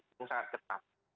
yang sangat ketat